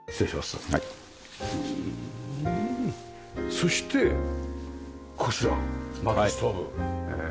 そしてこちら薪ストーブ。